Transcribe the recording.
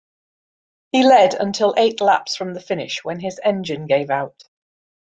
He led until eight laps from the finish, when his engine gave out.